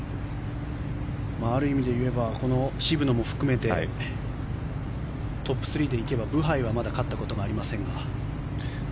ある意味で言えば渋野も含めてトップ３で行けばブハイはまだ勝ったことがありませんが。